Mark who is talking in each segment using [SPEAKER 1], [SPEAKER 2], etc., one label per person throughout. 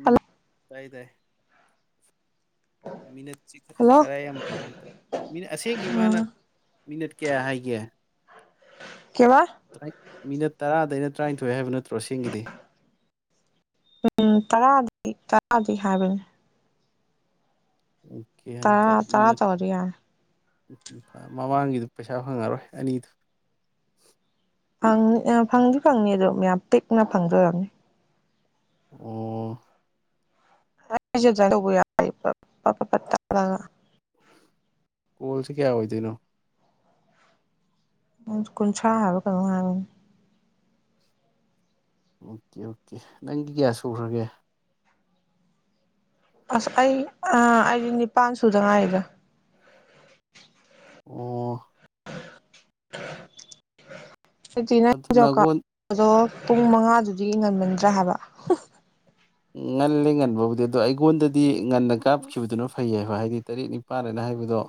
[SPEAKER 1] ꯃꯤꯟ
[SPEAKER 2] ꯍꯜꯂꯣ
[SPEAKER 1] ꯇꯥꯏ-ꯇꯥꯏ꯫ ꯃꯤꯅꯠ
[SPEAKER 2] ꯍꯜꯂꯣ
[SPEAKER 1] ꯈꯔ ꯌꯥꯝ ꯃꯤꯅ ꯑꯁꯦꯡꯒꯤ
[SPEAKER 2] ꯎꯝ
[SPEAKER 1] ꯃꯥꯅ ꯃꯤꯅꯠ ꯀꯌꯥ ꯍꯥꯏꯒꯦ꯫
[SPEAKER 2] ꯀꯦꯕꯥ
[SPEAKER 1] ꯃꯤꯅꯠ ꯇꯔꯥꯗꯩꯅ ꯇꯔꯥꯅꯤꯊꯣꯏ ꯍꯥꯏꯕ ꯅꯠꯇ꯭ꯔꯣ ꯑꯁꯦꯡꯒꯤꯗꯤ꯫
[SPEAKER 2] ꯎꯝ ꯇꯔꯥꯗꯤ ꯇꯔꯥꯗꯤ ꯍꯥꯏꯕꯅꯦ꯫
[SPEAKER 1] ꯎꯝ ꯀꯦ ꯑꯝꯇ
[SPEAKER 2] ꯇꯔꯥ ꯇꯔꯥ
[SPEAKER 1] ꯃꯤꯅꯠ
[SPEAKER 2] ꯇꯧꯔꯗꯤ ꯌꯥꯔꯦ
[SPEAKER 1] ꯎꯝ ꯎꯝ ꯃꯃꯥꯡꯒꯤꯗꯨ ꯄꯩꯁꯥ ꯐꯪꯉꯔꯣꯏ ꯑꯅꯤꯗꯨ꯫
[SPEAKER 2] ꯐꯪꯅꯤ ꯑ ꯐꯪꯗꯤ ꯐꯪꯅꯤ ꯑꯗꯣ ꯃꯌꯥꯝ ꯄꯤꯛꯅ ꯐꯪꯗꯣꯏꯔꯝꯅꯤ꯫
[SPEAKER 1] ꯑꯣ꯫
[SPEAKER 2] [unintelligible]
[SPEAKER 1] ꯀꯣꯜꯁꯤ ꯀꯌꯥ ꯑꯣꯏꯗꯅꯣ꯫
[SPEAKER 2] ꯎ ꯀꯨꯟꯊ꯭ꯔꯥ ꯍꯥꯏꯕ ꯀꯩꯅꯣ ꯍꯥꯏꯕꯅꯤ꯫
[SPEAKER 1] ꯑꯣꯀꯦ-ꯑꯣꯀꯦ ꯅꯪꯒꯤ ꯀꯌꯥ ꯁꯨꯈ꯭ꯔꯒꯦ꯫
[SPEAKER 2] ꯑꯁ ꯑꯩ ꯑꯥ ꯑꯩꯗꯤ ꯅꯤꯄꯥꯟ ꯁꯨꯗ ꯉꯥꯏꯔꯤꯗ꯫
[SPEAKER 1] ꯑꯣ꯫ ꯑꯗꯨ ꯅꯪꯉꯣꯟ
[SPEAKER 2] [unintelligible] ꯄꯨꯡ ꯃꯉꯥꯗꯨꯗꯤ ꯉꯟꯃꯟꯗ꯭ꯔꯥ ꯍꯥꯏꯕ
[SPEAKER 1] ꯉꯜꯂꯦ ꯉꯟꯕꯕꯨꯗꯤ ꯑꯗꯣ ꯑꯩꯉꯣꯟꯗꯗꯤ ꯉꯟꯅ ꯀꯥꯞꯈꯤꯕꯗꯨꯅ ꯐꯩꯌꯦꯕ ꯍꯥꯏꯗꯤ ꯇꯔꯦꯠ ꯅꯤꯄꯥꯜꯅ ꯍꯥꯏꯕꯗꯣ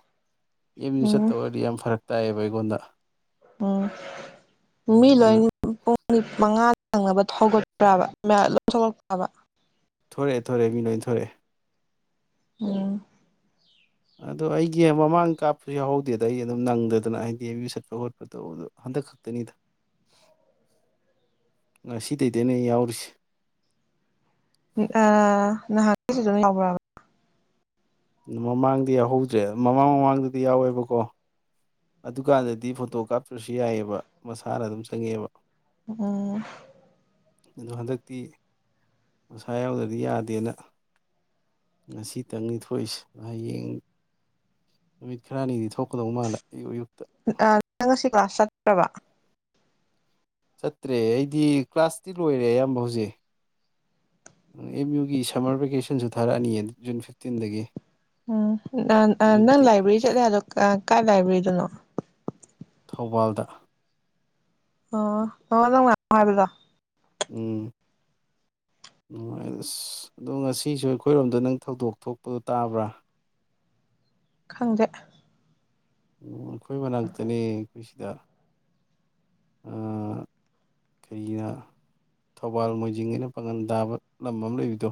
[SPEAKER 1] ꯌꯥꯝꯖꯦ
[SPEAKER 2] ꯎꯝ
[SPEAKER 1] ꯆꯠꯇꯕ ꯑꯣꯏꯔꯗꯤ ꯌꯥꯝ ꯐꯔꯛ ꯇꯥꯏꯌꯦꯕ ꯑꯩꯉꯣꯟꯗ
[SPEAKER 2] ꯎꯝ ꯃꯤ ꯂꯣꯏꯅ [unintelligible] ꯃꯉꯥ ꯅꯪꯅꯕ ꯊꯧꯒꯠꯄ꯭ꯔꯕ ꯃꯌꯥꯝ ꯂꯣꯏ ꯊꯣꯛꯂꯛꯄ꯭ꯔꯕ
[SPEAKER 1] ꯊꯣꯔꯛꯑꯦ ꯊꯣꯔꯛꯑꯦ ꯃꯤ ꯂꯣꯏ ꯊꯣꯔꯛꯑꯦ
[SPEAKER 2] ꯎꯝ
[SPEAKER 1] ꯑꯗꯣ ꯑꯩꯒꯤ ꯃꯃꯥꯡ ꯀꯥꯞꯄꯁꯨ ꯌꯥꯎꯍꯧꯗꯦꯗ ꯑꯩ ꯑꯗꯨꯝ ꯅꯪꯗꯗꯅ ꯍꯥꯏꯗꯤ ꯑꯦꯝ ꯌꯨ ꯆꯠꯄ ꯈꯣꯠꯄꯗꯣ ꯇꯧꯕꯗꯣ ꯍꯟꯗꯛ ꯈꯛꯇꯅꯤꯗ ꯉꯁꯤꯗꯩꯅꯤꯗ ꯌꯥꯎꯔꯤꯁꯦ
[SPEAKER 2] ꯑ ꯅꯍꯥꯟꯗꯤ ꯐꯖꯅ ꯌꯥꯑꯕ꯭ꯔꯕ
[SPEAKER 1] ꯃꯃꯥꯡꯗꯤ ꯌꯥꯎꯍꯧꯗ꯭ꯔꯦ ꯃꯃꯥꯡ ꯃꯃꯥꯡꯗꯗꯤ ꯌꯥꯎꯋꯦꯕꯀꯣ ꯑꯗꯨꯀꯥꯟꯗꯗꯤ ꯐꯣꯇꯣ ꯀꯥꯞꯇ꯭ꯔꯁꯨ ꯌꯥꯏꯌꯦꯕ ꯃꯁꯥꯅ ꯑꯗꯨꯝ ꯆꯪꯉꯦꯕ
[SPEAKER 2] ꯑꯣ
[SPEAKER 1] ꯑꯗꯣ ꯍꯟꯗꯛꯇꯤ ꯃꯁꯥ ꯌꯥꯎꯗ꯭ꯔꯗꯤ ꯌꯥꯗꯦꯅ ꯉꯁꯤ ꯇꯪꯅꯤ ꯊꯣꯛꯏꯁꯦ ꯍꯌꯦꯡ ꯅꯨꯃꯤꯠ ꯈꯔꯥꯅꯤꯗꯤ ꯊꯣꯛ
[SPEAKER 2] ꯑ ꯅꯪ ꯁꯤ ꯀ꯭ꯂꯥꯁ ꯆꯠ ꯇꯕ
[SPEAKER 1] ꯆꯠꯇ꯭ꯔꯦ ꯑꯩꯗꯤ ꯀ꯭ꯂꯥꯁꯇꯤ ꯂꯣꯏꯔꯦ ꯑꯌꯥꯝꯕ ꯍꯧꯖꯤꯛ ꯑꯦꯝ ꯌꯨꯒꯤ ꯁꯝꯃꯔ ꯚꯦꯀꯦꯁꯟꯁꯨ ꯊꯥꯔꯛꯑꯅꯤꯌꯦ ꯖꯨꯟ ꯐꯤꯐꯇꯤꯟꯗꯒꯤ
[SPEAKER 2] ꯎꯝ ꯑ
[SPEAKER 1] ꯖꯨꯟ
[SPEAKER 2] ꯅꯪ ꯂꯥꯏꯕ꯭ꯔꯦꯔꯤ ꯆꯠꯂꯦ ꯍꯥꯏꯗꯣ ꯀꯥꯏ ꯂꯥꯏꯕ꯭ꯔꯦꯔꯤꯗꯅꯣ
[SPEAKER 1] ꯊꯧꯕꯥꯜꯗ
[SPEAKER 2] ꯑꯣ ꯅꯪ ꯅꯍꯥꯟꯃꯨꯛ ꯍꯥꯏꯕꯗꯣ
[SPEAKER 1] ꯎꯝ ꯑꯗꯣ ꯉꯁꯤꯁꯨ ꯑꯩꯈꯣꯏꯔꯣꯝꯗ ꯅꯪ ꯊꯧꯗꯣꯛ ꯊꯣꯛꯄꯗꯣ ꯇꯥꯕ꯭ꯔꯥ
[SPEAKER 2] ꯈꯪꯗꯦ
[SPEAKER 1] ꯑꯣ ꯑꯩꯈꯣꯏ ꯃꯅꯥꯛꯇꯅꯤ ꯑꯩꯈꯣꯏ ꯁꯤꯗ ꯀꯩꯑꯌꯦ ꯊꯧꯕꯥꯜ ꯃꯣꯏꯖꯤꯡ ꯑꯅ ꯄꯥꯉꯟ ꯇꯥꯕ ꯂꯝ ꯑꯃ ꯂꯩꯕꯗꯣ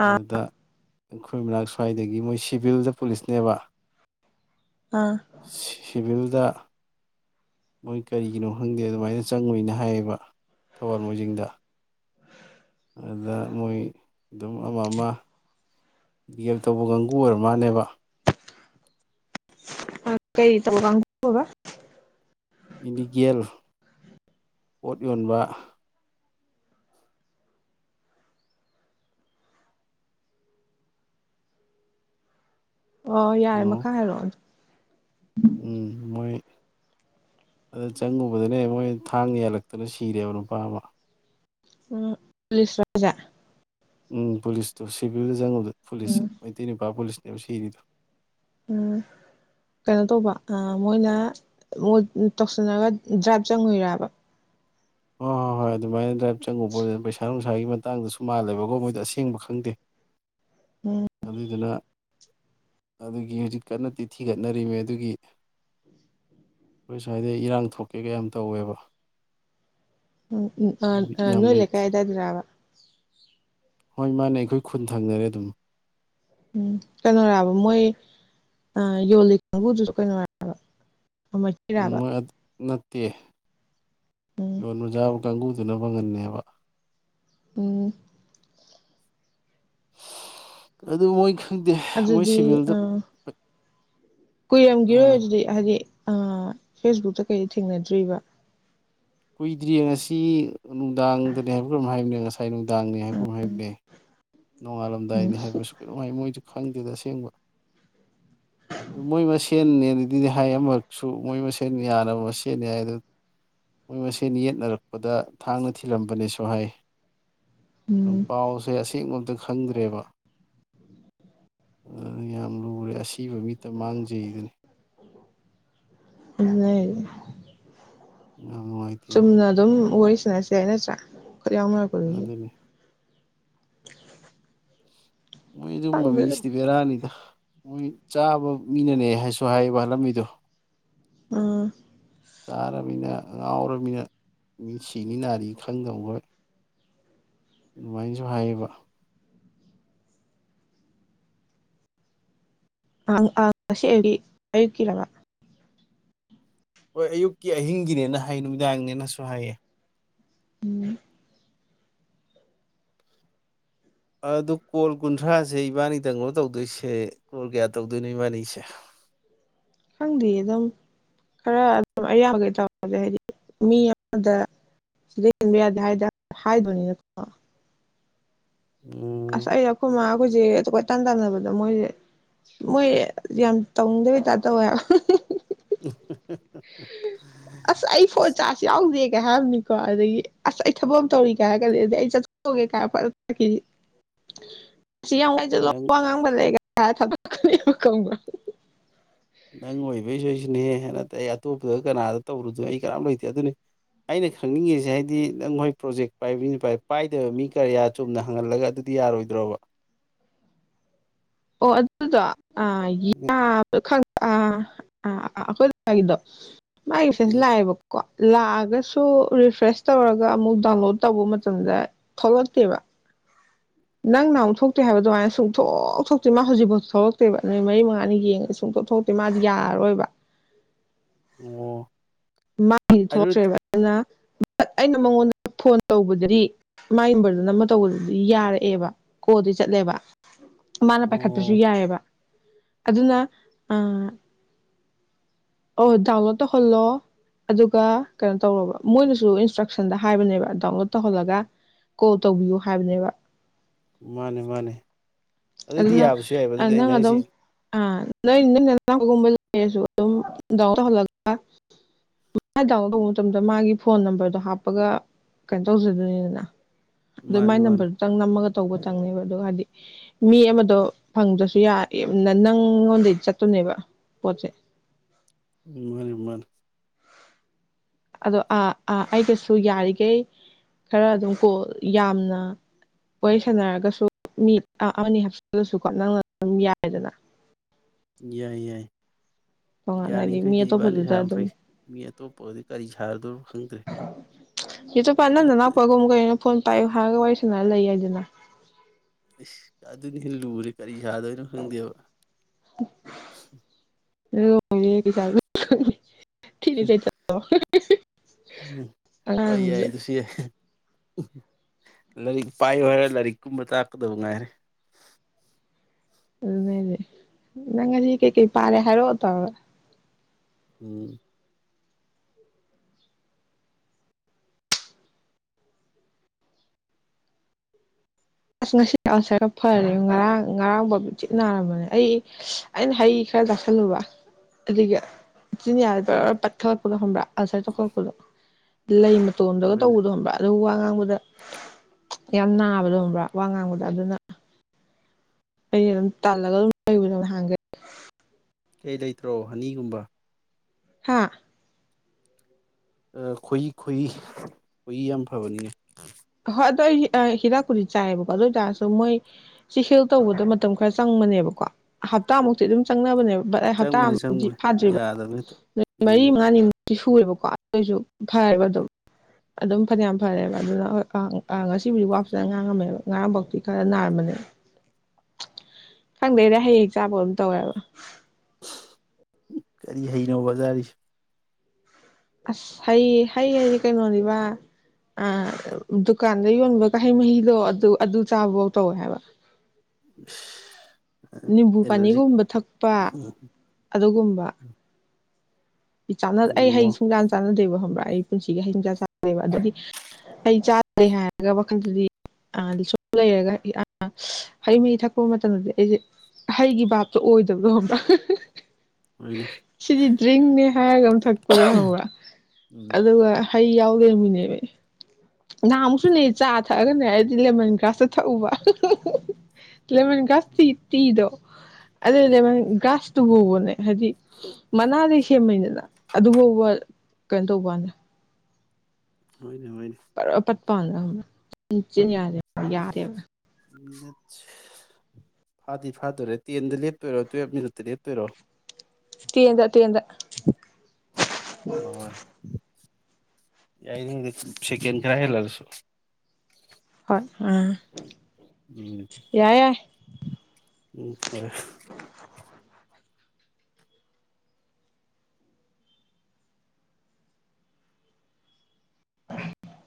[SPEAKER 2] ꯑꯥ
[SPEAKER 1] ꯑꯗꯨꯗ ꯑꯩꯈꯣꯏ ꯃꯅꯥꯛ ꯁ꯭ꯋꯥꯏꯗꯒꯤ ꯃꯣꯏ ꯁꯤꯚꯤꯜꯗ ꯄꯨꯂꯤꯁꯅꯦꯕ
[SPEAKER 2] ꯑꯥ
[SPEAKER 1] ꯗ ꯃꯣꯏ ꯀꯔꯤꯒꯤꯅꯣ ꯈꯪꯗꯦ ꯑꯗꯨꯃꯥꯏꯅ ꯆꯪꯉꯨꯏꯅ ꯍꯥꯏꯌꯦꯕ ꯊꯧꯕꯥꯜ ꯃꯣꯏꯖꯤꯡꯗ ꯑꯗꯨꯗ ꯃꯣꯏ ꯑꯗꯨꯝ ꯑꯃ ꯑꯃ ꯕꯤ ꯑꯦꯐ ꯊꯧꯕ ꯀꯥꯡꯕꯨꯨ ꯑꯣꯏꯔ ꯃꯥꯜꯅꯦꯕ
[SPEAKER 2] ꯑ ꯀꯩ ꯊꯧꯕ ꯀꯥꯡꯕꯨ ꯍꯥꯏꯕ
[SPEAKER 1] ꯏꯂꯤꯒꯦꯜ ꯄꯣꯠ ꯌꯣꯟꯕ
[SPEAKER 2] ꯑꯣ ꯌꯥꯔꯦ
[SPEAKER 1] ꯀꯩꯅꯣ
[SPEAKER 2] ꯃꯈꯥ ꯍꯥꯏꯔꯛꯑꯣ
[SPEAKER 1] ꯎꯝ ꯃꯣꯏ ꯑꯗ ꯆꯪꯉꯨꯕꯗꯅꯦ ꯃꯣꯏ ꯊꯥꯡ ꯌꯥꯜꯂꯛꯇꯅ ꯁꯤꯔꯦꯕ ꯅꯨꯄꯥ ꯑꯃ
[SPEAKER 2] ꯎꯝ ꯄꯨꯂꯤꯁ ꯔꯣ ꯍꯥꯏꯁꯦ
[SPEAKER 1] ꯎꯝ ꯄꯨꯂꯤꯁ ꯇꯣ ꯁꯤꯚꯤꯜ ꯗꯆꯪꯉꯨꯕꯗ ꯄꯨꯂꯤꯁ
[SPEAKER 2] ꯎꯝ
[SPEAKER 1] ꯃꯩꯇꯩꯅꯤꯄꯥ ꯄꯨꯂꯤꯁ ꯁꯤꯔꯤꯗꯣ
[SPEAKER 2] ꯎꯝ ꯀꯩꯅꯣ ꯇꯧꯕ ꯃꯣꯏꯅ ꯇꯧꯁꯟꯅꯔꯒ ꯗ꯭ꯔꯥꯏꯚ ꯆꯪꯉꯨꯏꯔꯕ
[SPEAKER 1] ꯍꯣꯏ ꯍꯣꯏ ꯍꯣꯏ ꯑꯗꯨꯃꯥꯏꯅ ꯗ꯭ꯔꯥꯏꯚ ꯆꯪꯉꯨꯕ ꯑꯣꯏꯗꯅ ꯄꯩꯁꯥ ꯅꯨꯡꯁꯥꯒꯤ ꯃꯇꯥꯡꯗꯁꯨ ꯃꯥꯜꯂꯦꯕꯀꯣ ꯃꯣꯏꯗꯣ ꯑꯁꯦꯡꯕ ꯈꯪꯗꯦ ꯑꯗꯨꯏꯗꯨꯅ ꯑꯗꯨꯒꯤ ꯍꯧꯖꯤꯛꯀꯟꯅꯗꯤ ꯊꯤꯒꯠꯅꯔꯤꯃꯦ ꯑꯗꯨꯒꯤ ꯑꯩꯈꯣꯏ ꯁ꯭ꯋꯥꯏꯗ ꯏꯔꯥꯡ ꯊꯣꯛꯀꯦ ꯀ ꯌꯥꯝ ꯇꯧꯋꯦꯕ
[SPEAKER 2] ꯎꯝ ꯎꯝ ꯑ
[SPEAKER 1] ꯕꯤꯠ
[SPEAKER 2] ꯑ
[SPEAKER 1] ꯌꯥꯝ
[SPEAKER 2] ꯅꯣꯏ
[SPEAKER 1] ꯂꯩꯇꯦ
[SPEAKER 2] ꯂꯩꯀꯥꯏꯗꯒꯤꯔꯥꯕ
[SPEAKER 1] ꯍꯣꯏ ꯃꯥꯅꯦ ꯑꯩꯈꯣꯏ ꯈꯨꯟ ꯊꯪꯅꯔꯦ ꯑꯗꯨꯝ
[SPEAKER 2] ꯎꯝ ꯀꯩꯅꯣꯔꯥꯕ ꯃꯣꯏ ꯑ ꯌꯣꯜꯂꯤ ꯀꯥꯡꯕꯨꯗꯨꯁꯨ ꯀꯩꯅꯣ ꯔꯥꯕ
[SPEAKER 1] ꯃꯣꯏ ꯑꯗ ꯅꯠꯇꯦ
[SPEAKER 2] ꯎꯝ
[SPEAKER 1] ꯌꫭꯟꯕ ꯖꯥꯕ ꯀꯥꯡꯒꯨꯗꯨꯅ ꯄꯪꯒꯟꯅꯦꯕ
[SPEAKER 2] ꯎꯝ
[SPEAKER 1] ꯑꯗꯨ ꯃꯣꯏ ꯈꯪꯗꯦ ꯃꯣꯏ
[SPEAKER 2] ꯑꯗꯨꯗꯤ
[SPEAKER 1] ꯁꯤꯚꯤꯜꯗꯨ
[SPEAKER 2] ꯑꯥ ꯀꯨꯏꯔꯝꯒꯤꯔꯣꯏ ꯑꯗꯨꯗꯤ ꯍꯥꯏꯗꯤ ꯑ ꯐꯦꯁꯕꯨꯛꯇ ꯀꯩꯗ ꯊꯦꯡꯅꯗ꯭ꯔꯤꯕ
[SPEAKER 1] ꯀꯨꯏꯗ꯭ꯔꯤ ꯉꯁꯤ ꯅꯨꯡꯗꯥꯡꯗꯅꯤ ꯍꯥꯏꯕꯔ ꯀꯩꯅꫭꯝ ꯍꯥꯏꯕꯅꯤ ꯉꯁꯥꯏ ꯅꯨꯡꯗꯥꯡꯅꯤ ꯍꯥꯏꯕ ꯑꯃꯥ ꯍꯥꯏꯕꯅꯦ
[SPEAKER 2] ꯎꯝ
[SPEAKER 1] ꯅꯣꯡꯉꯥꯜꯂꯝꯗꯥꯏꯅꯤ ꯍꯥꯏꯕꯁꯨ ꯀꯩꯅꫭꯝ ꯍꯥꯏ ꯃꯣꯏꯁꯨ ꯈꯪꯗꯦꯗ ꯑꯁꯦꯡꯕ ꯃꯣꯏ ꯃꯁꯦꯟꯅꯦ ꯨꯗꯨꯗꯤ ꯍꯥꯏ ꯑꯃꯔꯛꯁꯨ ꯃꯣꯏ ꯃꯁꯦꯟ ꯌꯥꯟꯅꯕ ꯃꯁꯦꯟꯅꯤ ꯍꯥꯏ ꯑꯗꯨ ꯃꫭꯏ ꯌꯦꯠꯅꯔꯛꯄꯗ ꯊꯥꯡꯅ ꯊꯤꯜꯂꯝꯕꯅꯤꯁꯨ ꯍꯥꯏ
[SPEAKER 2] ꯎꯝ
[SPEAKER 1] ꯄꯥꯎꯁꯦ ꯑꯁꯦ [unintelligible] ꯇꯪ ꯈꯪꯗ꯭ꯔꯦꯕ ꯑꯗꯨꯅ ꯌꯥꯝ ꯂꯨꯔꯦ ꯑꯁꯤꯕ ꯃꯤꯠꯇ ꯃꯥꯡꯖꯩꯗꯨꯅꯤ
[SPEAKER 2] ꯂꯩ
[SPEAKER 1] ꯌꯥꯝ ꯅꯨꯡꯉꯥꯏꯇꯦꯕ
[SPEAKER 2] ꯆꯨꯝꯅ ꯑꯗꯨꯝ ꯋꯔꯤ ꯅꯁꯤ ꯍꯥꯏ ꯅꯠꯇ꯭ꯔꯥ ꯀ ꯌꯥꯎ ꯅꯔꯛꯄ ꯗꯨꯖꯨ
[SPEAKER 1] ꯑꯗꯨꯅꯤ ꯃꯣꯏ ꯑꯗꯨꯝꯕ
[SPEAKER 2] ꯈꯪꯗꯦꯗ
[SPEAKER 1] ꯃꯤꯁꯤꯗꯤ ꯕꯦꯔꯥꯅꯤꯗ ꯃꯣꯏ ꯆꯥꯕ ꯃꯤꯅꯅꯦ ꯍꯥꯏꯁꯨ ꯍꯥꯏꯕ ꯍꯥꯜꯂꯝꯃꯤꯗꯣ
[SPEAKER 2] ꯎꯝ
[SPEAKER 1] ꯆꯥꯔꯃꯤꯅ ꯉꯥꯎꯔꯕꯃꯤꯅ ꯃꯤ ꯁꯤꯅꯤ ꯅꯥꯅꯤ ꯈꯪꯗꯕ ꯃꫭꯏ ꯑꯗꯨꯃꯥꯏꯅꯁꯨ ꯍꯥꯏꯌꯦꯕ
[SPEAKER 2] [unintelligible] ꯑꯌꯨꯛ ꯀꯤꯔꯥꯕꯥ
[SPEAKER 1] ꯍꯣꯏ ꯑꯌꯨꯛꯀꯤ ꯑꯍꯤꯡꯒꯤꯅꯦꯅ ꯍꯥꯏ ꯅꯨꯃꯤꯗꯥꯡꯅꯦꯅꯁꯨ ꯍꯥꯏꯌꯦ
[SPEAKER 2] ꯎꯝ
[SPEAKER 1] ꯑꯗꯨ ꯀꯣꯜ ꯀꯨꯟꯊ꯭ꯔꯥꯁꯦ ꯏꯕꯥꯅꯤꯗꯪꯂꫭ ꯇꯧꯗꯣꯏꯁꯦ ꯀꯣꯜ ꯀꯌꯥ ꯇꯧꯗꯣꯏꯅꯣ ꯏꯕꯥꯅꯤꯁꯦ
[SPEAKER 2] ꯈꯪꯗꯤꯌꯦ ꯑꯗꯨꯝ ꯈꯔ ꯑꯗꯨꯝ ꯑꯌꯥꯝꯕꯒꯩ ꯇꯧꯔꯁꯦ ꯍꯥꯏꯗꯤ ꯃꯤ ꯑꯃꯗ ꯁꯤꯗꯩ ꯍꯦꯟꯕ ꯌꯥꯗꯦ ꯍꯥꯏꯗ ꯍꯥꯏꯕꯅꯤꯅꯀꯣ ꯑꯁ
[SPEAKER 1] ꯎꯝ
[SPEAKER 2] ꯑꯩꯔ ꯑꯈꫭꯏ ꯃꯥ ꯈꯣꯏꯁꯦ ꯑꯇꯣꯞ ꯏ ꯇꯥꯟ ꯇꯥꯟꯅꯕꯗ ꯃꯣꯏꯁꯦ ꯃꯣꯏ ꯌꯥꯝ ꯇꯧꯅꯤꯡꯗꯕ ꯇꯥꯏꯄ ꯇꯧꯋꯦꯕ꯫
[SPEAKER 1] [unintelligible]
[SPEAKER 2] ꯑꯁ ꯑꯩ ꯐꯣꯟ
[SPEAKER 1] ꯑꯁ
[SPEAKER 2] ꯆꯥꯁ ꯌꯥꯎꯗꯦ꯫ ꯀꯩ ꯍꯥꯏꯔꯝꯅꯤꯀꯣ ꯑꯗꯒꯤ ꯑꯁ ꯑꯩ ꯊꯕꯛ ꯑꯃ ꯇꯧꯔꯤ ꯀꯩ ꯍꯥꯏꯔꯒꯗꯤ ꯑꯗꯩ ꯑꯩ ꯆꯠꯊꫭꯛꯀꯦꯀꯥ [unintelligible] ꯁꯤ ꯌꯥꯝꯒ ꯆꯂꯣ
[SPEAKER 1] ꯅꯪ
[SPEAKER 2] ꯋꯥꯉꯥꯡꯕ ꯂꯩꯒ [unintelligible]
[SPEAKER 1] ꯅꯪ ꯑꯣꯏꯕꯩꯁꯨ ꯑꯩꯁꯨꯅꯦꯍꯦ ꯅꯠꯇꯦ ꯑꯇꯣꯞꯄꯗ ꯀꯅꯥꯗ ꯇꯧꯔꯨꯗꯣꯏ ꯑꯩ ꯀꯅꯥꯝ ꯂꯩꯇꯦ ꯑꯗꯨꯅꯤ ꯑꯩꯅ ꯈꯪꯅꯤꯡꯉꯤꯁꯦ ꯍꯥꯏꯗꯤ ꯅꯪ ꯍꯣꯏ ꯄ꯭ꯔꯣꯖꯦꯛ ꯄꯥꯏꯕꯅꯤꯅ ꯄꯥꯏꯗꯕ ꯃꯤ ꯀꯌꯥꯌꯥ ꯆꯨꯝꯅ ꯍꯪꯍꯜꯂꯒ ꯑꯗꯨꯗꯤ ꯌꯥꯔꯣꯏꯗ꯭ꯔꫭꯕ꯫
[SPEAKER 2] ꯑꯣ ꯑꯗꯨꯗꯣ ꯑ ꯌꯥ ꯈꯪ [unintelligible] ꯃꯥꯒꯤ ꯐꯦꯁꯂꯥꯛꯑꯕꯀꯣ ꯂꯥꯛꯑꯒꯁꯨ ꯔꯤꯐ꯭ꯔꯦꯁ ꯇꯧꯔꯒ ꯑꯃꯨꯛ ꯗꯥꯎꯟꯂꯣꯗ ꯇꯧꯕ ꯃꯇꯝꯗ ꯊꯣꯛꯂꯛꯇꯦꯕ ꯅꯪꯅ ꯑꯃꯨꯛ ꯊꯣꯛꯇꯦ ꯍꯥꯏꯕ ꯑꯗꯨꯃꯥꯏꯅ ꯁꯨꯡꯊꯣꯛ ꯊꫭꯛ ꯊꯇꯤ ꯃꯥ ꯍꯧꯖꯤꯛꯐꯥꯎ ꯊꯣꯛꯂꯛꯇꯦꯕ ꯅꯨꯃꯤꯠ ꯃꯔꯤ ꯃꯉꯥꯅꯤ ꯌꯦꯡꯉꯦ ꯁꯨꯡꯇꯣꯛ ꯊꯣꯛꯛꯇꯦ ꯃꯥꯗꯤ ꯌꯥꯔꯔꯣꯏꯕ꯫
[SPEAKER 1] ꯑꯣ
[SPEAKER 2] ꯃꯥ
[SPEAKER 1] ꯑꯗꯨ
[SPEAKER 2] ꯊꯣꯛꯇ꯭ꯔꯦꯕ ꯅ ꯑꯩꯅ ꯃꯉꯣꯟꯗ ꯐꯣꯟ ꯇꯧꯕꯗꯗꯤ ꯃꯥꯏ ꯅꯝꯕꯔꯗꯨ ꯅꯝꯃ ꯇꯧꯕꯗꯨꯗꯤ ꯌꯥꯔꯛꯑꯦꯕ ꯀꯣꯜꯗꯤ ꯆꯠꯂꯦꯕ꯫ ꯃꯥꯅ
[SPEAKER 1] ꯑꯣ
[SPEAKER 2] ꯄꯥꯏꯈꯠꯄꯁꯨ ꯌꯥꯏꯑꯦꯕ꯫ ꯑꯗꯨꯅ ꯑꯥ ꯑꯣ ꯗꯥꯎꯟꯂꯣꯗ ꯇꯧꯍꯜꯂꯣ ꯑꯗꯨꯒ ꯀꯩꯅꯣ ꯇꯧꯔꫭꯕ ꯃꯣꯏꯅꯁꯨ ꯏꯟꯁꯇ꯭ꯔꯛꯁꯟꯗ ꯍꯥꯏꯕꯅꯦꯕ ꯗꯥꯎꯟꯂꯣꯗ ꯇꯧꯍꯜꯂꯒ ꯀꯣꯜ ꯇꯧꯕꯤꯌꯨ ꯍꯥꯏꯕꯅꯦꯕ꯫
[SPEAKER 1] ꯃꯥꯅꯦ-ꯃꯥꯅꯦ꯫
[SPEAKER 2] ꯑꯗꯨꯅ ꯑꯗꯨꯅꯪ ꯑꯗꯨꯝ ꯑꯥ ꯅꯪ ꯅꯪ ꯅꯅꯥꯎꯒꯨꯝꯕ ꯂꯩꯔꯁꯨ ꯑꯗꯨꯝ ꯗꯥꯎꯟꯂꫭꯗ ꯇꯧꯍꯜꯂꯒ ꯗꯥꯎ ꯇꯧꯕ ꯃꯇꯝꯗ ꯃꯥꯒꯤ ꯐꯣꯟ ꯅꯝꯕꯔꯗꯣ ꯍꯥꯞꯑꯒ ꯀꯩꯅꯣ ꯇꯧꯖꯗꯣꯏꯅꯤꯗꯅ ꯑꯗꯨ
[SPEAKER 1] ꯃꯥꯅꯦ
[SPEAKER 2] ꯃꯥꯏ
[SPEAKER 1] ꯃꯥꯅꯦ
[SPEAKER 2] ꯅꯝꯕꯔꯗꯨꯇꯪ ꯅꯝꯑꯒ ꯇꯧꯕ ꯇꯪꯅꯤꯕ ꯑꯗꯨꯒꯥꯗꯤ ꯃꯤ ꯑꯃꯗꯣ ꯐꯪꯗ꯭ꯔꯁꯨ ꯌꯥ ꯑꯦ ꯅꯪꯉꯣꯟꯗꯩ ꯆꯠꯇꯣꯅꯦꯕ ꯄꯣꯠꯁꯦ꯫
[SPEAKER 1] ꯃꯥꯅꯤ-ꯃꯥꯅꯤ꯫
[SPEAKER 2] ꯑꯗꯣ ꯑꯥꯥ ꯑꯥ ꯑꯩꯒꯁꯨ ꯌꯥꯔꯤꯈꯩ ꯈꯔ ꯑꯗꯨꯝ ꯀꯣꯜ ꯌꯥꯝꯅ ꯋꯥꯔꯤ ꯁꯥꯟꯅꯔꯒꯁꯨ ꯃꯤ ꯑꯃꯅꯤ ꯍꯥꯞꯆꯤꯜꯂꯁꯨꯀꯣ ꯅꯪꯅ ꯑꯗꯨꯝ ꯌꯥꯏꯗꯅ꯫
[SPEAKER 1] ꯌꯥꯏ-ꯌꯥꯏ꯫
[SPEAKER 2] ꯇꯣꯉꯥꯟꯅ ꯍꯥꯏꯗꯤ ꯃꯤ
[SPEAKER 1] ꯌꯥꯔꯤꯝꯈꯩꯗꯤ ꯏꯕꯥꯅꯤ
[SPEAKER 2] ꯑꯇꯣꯞꯄꯗꯨꯗ
[SPEAKER 1] ꯁꯥꯕ ꯐꯩ
[SPEAKER 2] ꯑꯗꯨꯝ
[SPEAKER 1] ꯃꯤ ꯑꯇꯣꯞꯄꯒꯗꯤ ꯀꯔꯤ ꯁꯥꯔꯨꯗꯣꯏꯅ ꯈꯪꯗ꯭ꯔꯦ꯫
[SPEAKER 2] ꯌꯨꯇꯨꯄꯥ ꯅꯪ ꯅꯅꯥꯎꯄꯥꯒꯨꯝꯕ ꯀꯩꯅꫭ ꯐꯣꯟ ꯄꯥꯏꯌꯨ ꯍꯥꯏꯔꯒ ꯋꯥꯔꯤ ꯁꯥꯟꯅꯔ ꯂꯩꯌꯦ ꯌꯥꯏꯗꯅ꯫
[SPEAKER 1] ꯏꯁ ꯑꯗꯨꯅꯤ ꯂꯨꯔꯤ ꯀꯔꯤ ꯌꯥꯥꯗꫭꯅꫭ ꯈꯪꯗꯦꯕ꯫
[SPEAKER 2] [unintelligible] [unintelligible] [unintelligible]
[SPEAKER 1] ꯎꯝ ꯑꯣꯏ ꯌꯥꯏ
[SPEAKER 2] ꯑꯉꯥꯡꯗꯨꯗ
[SPEAKER 1] ꯑꯗꯨꯁꯨ ꯌꯥꯏ꯫ ꯂꯥꯏꯔꯤꯛ ꯄꯥꯏ ꯍꯥꯏꯔ ꯂꯥꯏꯔꯤꯛꯀꯨꯝꯕ ꯇꯥꯛꯀꯗꯕ ꯉꯥꯏꯔꯦ
[SPEAKER 2] ꯎꯅꯦ ꯍꯥꯏꯁꯤ ꯅꯪ ꯉꯁꯤ ꯀꯩ ꯀꯩ ꯄꯥꯔꯦ ꯍꯥꯏꯔꯣ ꯇꯧꯔꯥ
[SPEAKER 1] ꯎꯨꯝ
[SPEAKER 2] ꯑꯁ ꯉꯁꯤꯗꯤ ꯑꯜꯁꯔꯒ ꯐꯔꯦ ꯉꯔꯥꯡ ꯉꯔꯥꯡ ꯐꯥꯎ ꯆꯤꯛ ꯅꯥꯔꯝꯕꯅꯦ ꯑꯩ ꯑꯩꯅ ꯍꯩ ꯈꯔ ꯆꯥꯁꯜꯂꯨꯕ ꯑꯗꯒꯤ ꯏꯆꯤꯟꯌꯥꯗ ꯄꯨ ꯄꯠꯊꯠꯂꯛꯄꯗꯣ ꯈꯪꯕ꯭ꯔꯥ ꯑꯜꯁꯔ ꯇꯧꯈꯠꯂꯛꯄꯗꯣ ꯂꯩ ꯇꯣꯝꯗꯒ
[SPEAKER 1] ꯃꯣꯏꯅ
[SPEAKER 2] ꯇꯧꯕꯗꯣꯝꯕ ꯈꯪꯕ꯭ꯔ ꯑ ꯋꯥ ꯉꯥꯡꯕꯗ ꯌꯥꯝ ꯅꯥꯕꯗꯣ ꯈꯪꯕ꯭ꯔꯥ ꯋꯥ ꯉꯥꯡꯕꯗ ꯑꯗꯨꯅ ꯑꯩꯩꯅ ꯑꯗꯨꯝ ꯇꯥꯜꯂꯒ ꯑꯗꯨꯝ ꯑꯩꯕꯨ ꯑꯗꯨꯝ ꯅꯍꯥꯡꯒꯦ
[SPEAKER 1] ꯀꯩ ꯂꯩꯇ꯭ꯔꯣ ꯍꯅꯤꯒꯨꯝ
[SPEAKER 2] ꯍꯥꯥ
[SPEAKER 1] ꯈꯣꯏꯏ ꯈ ꯈꯨꯏ-ꯈꯣꯏꯏ ꯌꯥꯝ ꯐꯕꯅꯤꯅꯦ
[SPEAKER 2] ꯍꯣꯏ ꯑ ꯍꯤꯗꯥꯛ ꯈꯨꯨꯗꯤ ꯆꯥꯏꯌꯦꯕꯀꯣ ꯑꯗꯨ ꯑꯣꯏꯇꯥꯔꯁꯨ ꯃꯣꯏ ꯍꯤꯜ ꯇꯧꯕꯗ ꯃꯇꯝ ꯈꯔ ꯆꯪꯕꯅꯦꯕꯀꯣ ꯍꯞꯇꯥꯃꯨꯛꯇꯤ ꯑꯗꯨꯝ ꯆꯪꯅꯕꯅꯦꯕ
[SPEAKER 1] ꯆꯪꯕꯅꯦ
[SPEAKER 2] ꯍꯞꯇꯥꯗꯤ
[SPEAKER 1] ꯆꯪꯕꯅꯦ
[SPEAKER 2] ꯐꯥꯗ꯭ꯔꯤꯕ
[SPEAKER 1] ꯌꯥꯗꯕꯅꯦ ꯍꯦꯛꯇ
[SPEAKER 2] ꯅꯨꯃꯤꯠ ꯃꯔꯤ
[SPEAKER 1] ꯎꯝ
[SPEAKER 2] ꯃꯉꯥꯅꯤꯃꯨꯛ ꯁꯤ ꯁꯨꯨꯔꯦꯕꯀꯣ ꯑꯗꯨ ꯑꯣꯏꯁꯨ ꯐꯔꯦꯕ ꯑꯗꯨꯝ ꯑꯗꯨꯝ ꯐꯅꯌꯥꯝ ꯐꯔꯦꯕ ꯑꯗꯨꯅ ꯍꯣꯏ ꯑ-ꯑ ꯉꯁꯤꯕꯨꯗꯤ ꯋꯥ ꯐꯅ ꯉꯥꯡꯉꯝꯃꯦꯕ ꯉꯥꯡꯉꯝꯝꯕꯤ ꯈꯔ ꯅꯥꯔꯝꯕꯅꯦ ꯈꯪꯗꯦꯗ ꯍꯌꯦꯡ ꯆꯥꯕ ꯑꯗꯨꯝ ꯇꯧꯋꯦꯕ
[SPEAKER 1] ꯀꯔꯤ ꯍꯩꯅꯣꯕ ꯖꯥꯔꯤꯁꯤ
[SPEAKER 2] ꯑꯁ ꯍꯩ-ꯍꯩ ꯍꯥꯏꯗꯤ ꯀꯩꯅꯣꯅꯤꯕ ꯑ ꯗꯨꯀꯥꯟꯗ ꯌꯣꯟꯕꯍꯩ ꯃꯍꯤꯗꯣ ꯑꯗꯨ ꯑꯗꯨ ꯆꯥꯕꯧ ꯇꯧꯋꯦ ꯍꯥꯏꯕ ꯅꯤꯝꯕꯨ
[SPEAKER 1] ꯑꯦꯂꯔꯖꯤꯛ
[SPEAKER 2] ꯄꯥꯅꯤꯒꯨꯝꯕ ꯊꯛꯄ ꯑꯗꯨꯒꯨꯝꯕ ꯆꯥꯟꯅ ꯑꯩꯩ
[SPEAKER 1] ꯑꯣ
[SPEAKER 2] ꯁꯨꯡꯀꯥꯟ ꯆꯥꯟꯅꯗꯦꯕ ꯈꯪꯕ ꯑꯩ ꯄꯨꯟꯁꯤꯒꯤ ꯍꯩꯤꯡꯁꯆꯥ ꯆꯥꯗꯦꯕ ꯑꯗꯨꯗꯤ ꯍꯩ ꯆꯥꯗ꯭ꯔꯦ ꯍꯥꯏꯔꯒ ꯋꯥꯈꯜꯗꯗꯤ ꯁꯨꯝ ꯂꯩꯔꯒ ꯍꯌ ꯃꯍꯤ ꯊꯛꯄ ꯃꯇꯝꯗꯗꯤ ꯑꯩꯁꯦ ꯍꯩꯒꯤ ꯚꯥꯞꯇꯣ ꯑꯣꯏꯗꯕꯗꯣ ꯈꯕ꯭ꯔꯥ
[SPEAKER 1] ꯍꯣꯏꯅꯦ
[SPEAKER 2] ꯁꯤꯗꯤ ꯗ꯭ꯔꯡꯅꯦ ꯔꯒ ꯑꯝ ꯊꯛꯄꯗꯣ ꯍꯪꯕ꯭ꯔ
[SPEAKER 1] ꯎꯝ
[SPEAKER 2] ꯑꯗꯨꯒ ꯍꯩ ꯌꯥꯎ ꯂꯩꯔꯝꯃꯤꯅꯦꯕ ꯅꯍꯥꯃꯨꯛꯁꯨ ꯅꯦ ꯆꯥ ꯊꯛꯑꯒꯅꯦ ꯍꯥꯏꯔꯗꯤ ꯂꯦꯃꯟ ꯒ꯭ꯔꯥꯁꯇ ꯊꯛꯎꯕ ꯂꯦꯃꯦꯟ ꯒꯥꯁꯤ ꯏꯤ-ꯇꯤ ꯏꯗꯣ
[SPEAKER 1] ꯎꯝ
[SPEAKER 2] ꯑꯗꯗ ꯒꯂꯥꯥꯁ ꯑꯗꯨꯐꯥꯎꯕꯅꯦ ꯍꯥꯏꯗꯤ ꯃꯅꯥꯗꯩ ꯁꯦꯝꯃꯩꯗꯅ ꯑꯗꯨꯐꯥꯎꯕ ꯀꯩꯅꯣ ꯇꯧꯕꯅꯋꯥꯅꯤꯗ
[SPEAKER 1] ꯍꯣꯏꯅꯦ ꯍꯣꯏꯅꯦ
[SPEAKER 2] ꯄꯔꯄꯠ ꯄꯥꯗ ꯍꯅꯆꯦꯅ ꯌꯥꯔꯦ ꯌꯥꯗꯦꯕ
[SPEAKER 1] ꯃꯤꯅꯠ ꯐꯥꯗꯤ ꯐꯥꯗꯣꯔꯦ ꯇꯦꯟꯗ ꯂꯦꯞꯇꯣꯏꯔꯣ ꯇꯨꯋꯦꯜꯞ ꯃꯤꯅꯠꯇ ꯂꯦꯞꯇꯣꯏꯔꯣ
[SPEAKER 2] ꯇꯦꯟꯗ ꯇꯦꯟꯗ
[SPEAKER 1] ꯍꯣꯏ ꯌꯥꯏ ꯁꯦꯀꯦꯟ ꯈꯔ ꯍꯦꯂꯁꯨꯣ
[SPEAKER 2] ꯍꯣꯏ ꯑꯥ ꯌꯥꯏ-ꯌꯥꯏ
[SPEAKER 1] ꯎꯨꯝ ꯍ
[SPEAKER 2] ꯏꯍꯥ